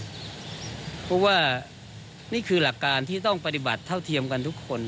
เพราะว่านี่คือหลักการที่ต้องปฏิบัติเท่าเทียมกันทุกคน